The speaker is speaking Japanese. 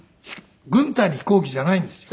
軍隊の飛行機じゃないんですよ。